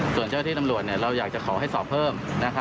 ส่วนเชิดที่ตำรวจเราอยากจะขอเสียงให้รอสอบเพิ่ม